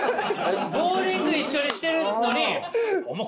ボウリング一緒にしてるのにお前